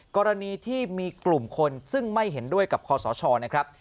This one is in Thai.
กรณีที่มีกลุ่มคนซึ่งไม่เห็นด้วยกับคอสชนะครับ